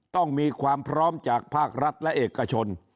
ต้องมีความพร้อมจากภาครัฐและเอกชน